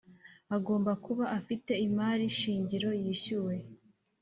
agomba kuba afite imari shingiro yishyuwe